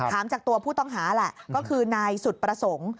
ถามจากตัวผู้ต้องหาแหละก็คือนายสุดประสงค์